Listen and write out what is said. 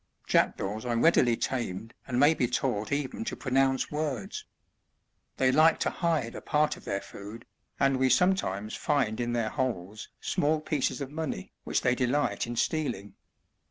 Jackdaws are readily tamed and may be taught even to pronounce words. They like to hide a part of their food, and we sometimes find in their holes small pieces of money which they delight in stealing.